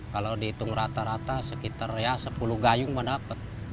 kalau dihitung rata rata sekitar ya sepuluh gayung mendapat